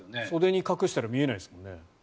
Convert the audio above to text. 袖に隠したら見えないですもんね。